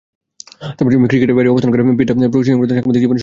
ক্রিকেটের বাইরে অবস্থান করে পিটার প্রশিক্ষণপ্রাপ্ত সাংবাদিক জীবনে সংশ্লিষ্ট হন।